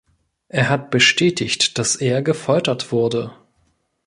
Er hat bestätigt, dass er gefoltert wurde.